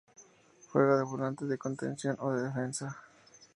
Juega de Volante de contención o Defensa.